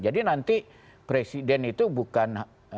nanti presiden itu bukan